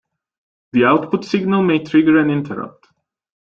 The output signal may trigger an interrupt.